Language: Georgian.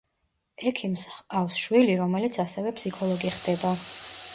ექიმს ჰყავს შვილი, რომელიც ასევე ფსიქოლოგი ხდება.